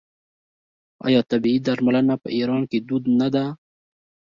آیا طبیعي درملنه په ایران کې دود نه ده؟